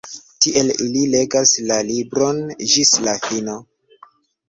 Tiel, ili legas la libron ĝis la fino.